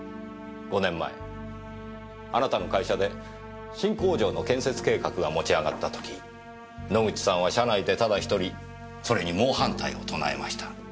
５年前あなたの会社で新工場の建設計画が持ち上がった時野口さんは社内でただ１人それに猛反対を唱えました。